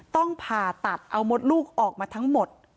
ต้องผ่าตัดเอามดลูกออกมาทั้งหมด